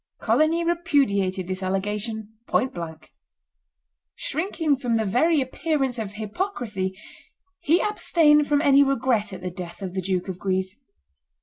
Coligny repudiated this allegation point blank. Shrinking from the very appearance of hypocrisy, he abstained from any regret at the death of the Duke of Guise.